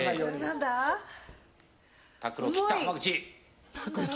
タックルを切った、浜口。